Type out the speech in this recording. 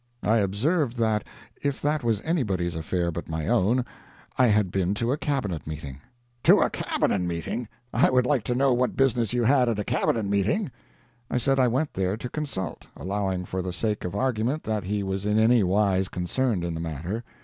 I observed that, if that was anybody's affair but my own, I had been to a Cabinet meeting. "To a Cabinet meeting? I would like to know what business you had at a Cabinet meeting?" I said I went there to consult allowing for the sake of argument that he was in any wise concerned in the matter.